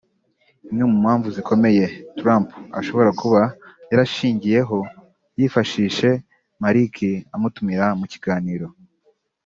Imwe mu mpamvu zikomeye Trump ashobora kuba yarashingiyeho yifashishe Malik amutumira mu kiganiro